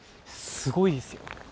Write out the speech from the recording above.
すごいですよ。